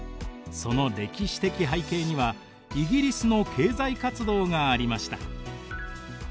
その歴史的背景にはイギリスの経済活動がありました。